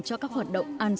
cho các hoạt động doanh nghiệp